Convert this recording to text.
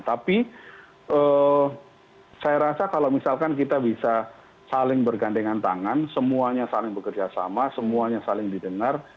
tapi saya rasa kalau misalkan kita bisa saling bergandengan tangan semuanya saling bekerja sama semuanya saling didengar